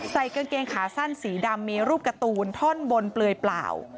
กางเกงขาสั้นสีดำมีรูปการ์ตูนท่อนบนเปลือยเปล่า